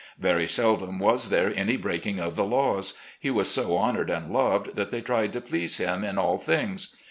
Very seldom was there any breaking of the laws. He was so honoured and loved that they tried to please him in all things.